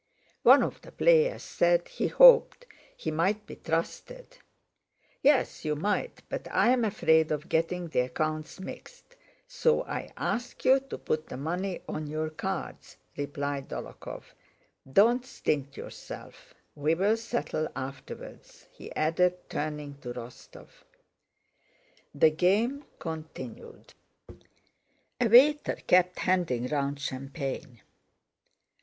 One of the players said he hoped he might be trusted. "Yes, you might, but I am afraid of getting the accounts mixed. So I ask you to put the money on your cards," replied Dólokhov. "Don't stint yourself, we'll settle afterwards," he added, turning to Rostóv. The game continued; a waiter kept handing round champagne.